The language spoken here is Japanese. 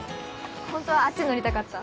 ホントはあっち乗りたかった？